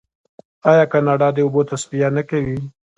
آیا کاناډا د اوبو تصفیه نه کوي؟